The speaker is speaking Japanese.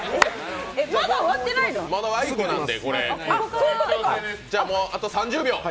まだあいこなので。